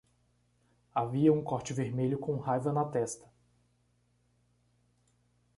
Havia um corte vermelho com raiva na testa.